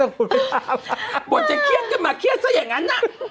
เฮียจะเคลียดขึ้นมาเกลียดเก้ยอย่างไง